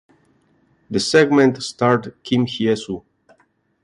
The segment starred Kim Hye-soo.